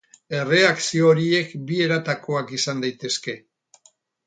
Erreakzio horiek bi eratakoak izan daitezke.